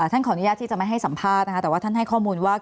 ขออนุญาตที่จะไม่ให้สัมภาษณ์นะคะแต่ว่าท่านให้ข้อมูลว่า